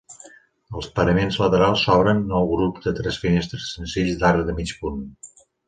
Als paraments laterals s'obren nou grups de tres finestres senzilles d'arc de mig punt.